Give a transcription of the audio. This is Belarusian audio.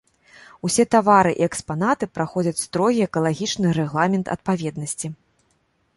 Усе тавары і экспанаты праходзяць строгі экалагічны рэгламент адпаведнасці.